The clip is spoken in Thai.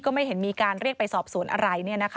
ไม่เห็นมีการเรียกไปสอบสวนอะไร